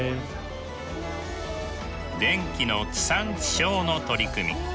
電気の地産地消の取り組み。